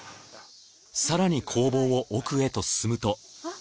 更に工房を奥へと進むと。